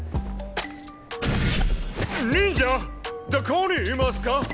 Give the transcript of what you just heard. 忍者どこにいますか？